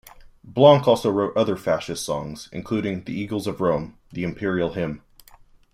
Blanc also wrote other Fascist songs, including "The Eagles of Rome", the Imperial Hymn.